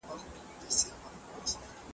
شاوخوا خلک له ضعیف عکس العمل لرونکو لېرې کېږي.